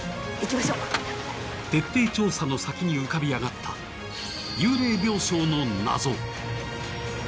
徹底調査の先に浮かび上がった幽霊病床の謎。